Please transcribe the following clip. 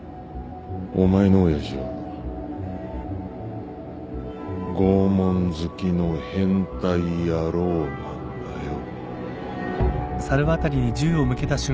お前の親父は拷問好きの変態野郎なんだよ。